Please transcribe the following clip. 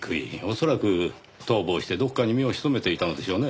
恐らく逃亡してどこかに身を潜めていたのでしょうね。